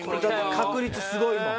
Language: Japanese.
確率すごいもん。